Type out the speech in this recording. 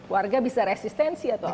warga bisa resistensi atau apa